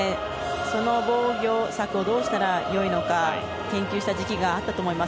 その防御策をどうしたらいいのか研究した時期があったと思います。